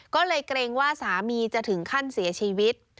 ก็เลยเกรงว่าสามีจะถึงขั้นเสียชีวิต